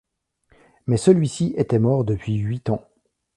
Mais celui-ci était mort depuis huit ans.